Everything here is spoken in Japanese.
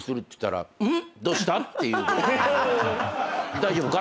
大丈夫か？